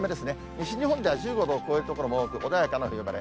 西日本では１５度を超える所も多く、穏やかな冬晴れ。